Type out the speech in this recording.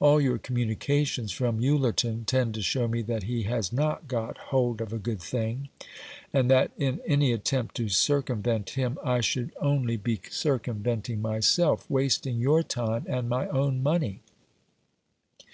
All your communications from Ullerton tend to show me that he has not got hold of a good thing, and that in any attempt to circumvent him I should only be circumventing myself, wasting your time, and my own money.